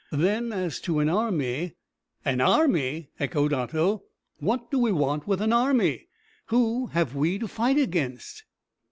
Then as to an army " "An army!" echoed Otto, "what do we want with an army? who have we to fight against?"